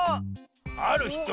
あるひと？